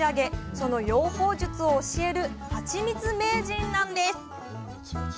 その養蜂術を教えるハチミツ名人なんです。